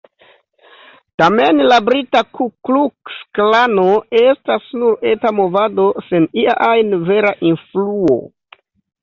Tamen, la brita Ku-Kluks-Klano estas nur eta movado, sen ia ajn vera influo.